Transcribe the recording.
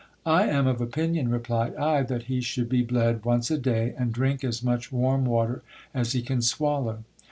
I am of opinion, replied I, that he should be bled once a day, and drink as much warm water as he can swallow.